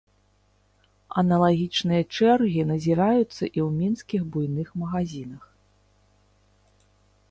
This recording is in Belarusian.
Аналагічныя чэргі назіраюцца і ў мінскіх буйных магазінах.